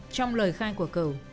trong lời khai của cổ